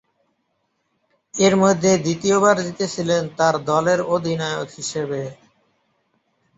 এর মধ্যে দ্বিতীয়বার জিতেছিলেন তার দলের অধিনায়ক হিসেবে।